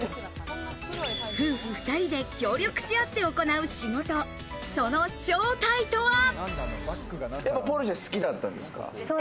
夫婦２人で協力し合って行う仕事、その正体とは？